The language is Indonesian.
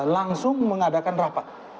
langsung mengadakan rapat